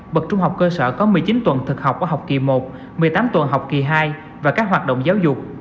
bậc trung học cơ sở có một mươi chín tuần thực học ở học kỳ một một mươi tám tuần học kỳ hai và các hoạt động giáo dục